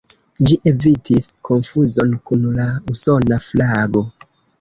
Ĝi evitis konfuzon kun la usona flago.